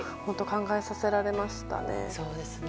考えさせられましたね。